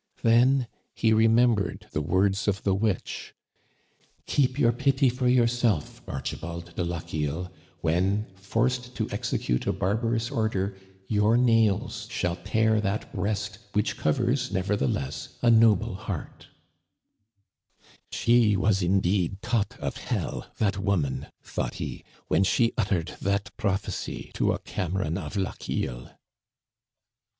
Then he re membered the words of the witch : Digitized by VjOOQIC THE BURNING OF THE SOUTH SHORE, 175 " Keep your pity for yourself, Archibald de Lochiel, when, forced to execute a barbarous order, your nails shall tear that breast which covers, nevertheless, a noble heart." " She was indeed taught of hell, that woman," thought he, " when she uttered that prophecy to a Cameron of Lochiel."